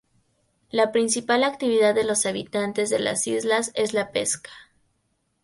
La principal actividad de los habitantes de las islas es la pesca.